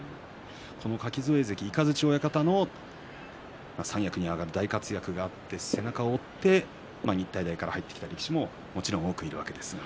垣添関、雷親方の三役に上がる大活躍があって背中を追って日体大から入ってきた力士ももちろん多くいるわけです。